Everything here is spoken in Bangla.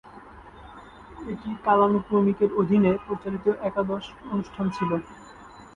এটি কালানুক্রমিকের অধীনে প্রচারিত একাদশ অনুষ্ঠান ছিল।